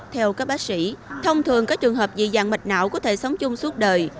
theo các bác sĩ thông thường có trường hợp dị dạng mạch não có thể sống chung suốt đời